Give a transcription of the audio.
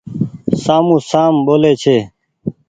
سامون سام ٻولي ڇي ۔